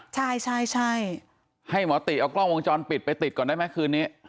ใช่ใช่ให้หมอติเอากล้องวงจรปิดไปติดก่อนได้ไหมคืนนี้